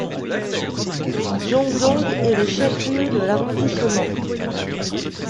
Djongdong est le chef-lieu de l'arrondissement.